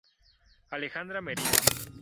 Alejandra Merino.